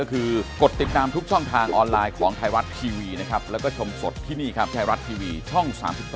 คิดดูสิ๔คะแนน